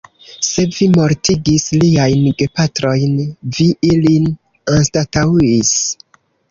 Se vi mortigis liajn gepatrojn, vi ilin anstataŭis.